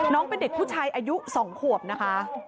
น้องเป็นเด็กผู้ชายอายุ๒ขวบนะคะ